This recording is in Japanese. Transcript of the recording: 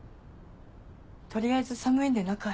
取りあえず寒いんで中へ。